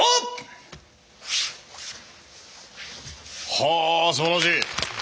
はあすばらしい。